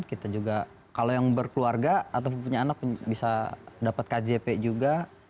kita juga kalau yang berkeluarga atau punya anak bisa dapat kjp juga